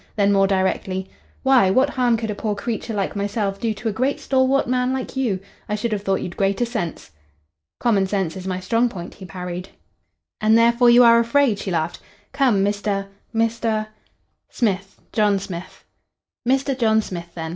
Then more directly, "Why, what harm could a poor creature like myself do to a great stalwart man like you? I should have thought you'd greater sense." "Common sense is my strong point," he parried. "And therefore you are afraid," she laughed. "Come Mr. Mr. " "Smith John Smith." "Mr. John Smith, then.